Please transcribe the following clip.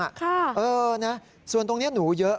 ค่ะเออนะส่วนตรงนี้หนูเยอะ